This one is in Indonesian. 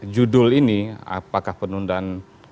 judul ini apakah penundaan